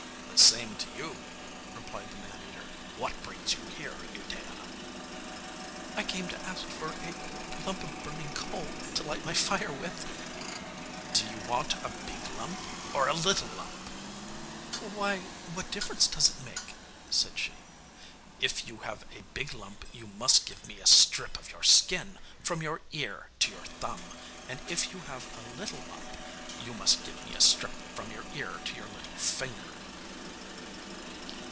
'The same to you,' replied the man eater. 'What brings you here, Udea?' 'I came to ask for a lump of burning coal, to light my fire with.' 'Do you want a big lump or a little lump?' 'Why, what difference does it make?' said she. 'If you have a big lump you must give me a strip of your skin from your ear to your thumb, and if you have a little lump, you must give me a strip from your ear to your little finger.